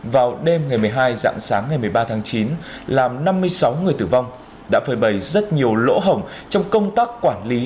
vào đêm ngày một mươi hai dạng sáng ngày một mươi ba tháng chín làm năm mươi sáu người tử vong đã phơi bầy rất nhiều lỗ hổng trong công tác quản lý